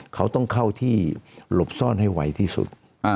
เขาต้องเข้าที่หลบซ่อนให้ไวที่สุด